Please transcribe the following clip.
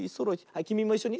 はいきみもいっしょに。